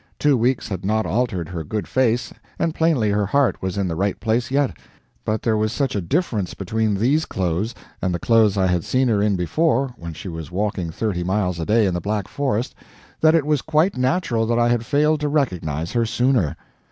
Two weeks had not altered her good face, and plainly her heart was in the right place yet, but there was such a difference between these clothes and the clothes I had seen her in before, when she was walking thirty miles a day in the Black Forest, that it was quite natural that I had failed to recognize her sooner.